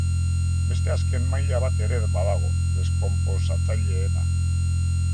Beste azken maila bat ere badago, deskonposatzaileena.